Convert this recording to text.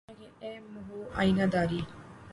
تماشا کہ اے محوِ آئینہ داری!